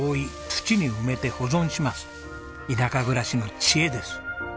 田舎暮らしの知恵です。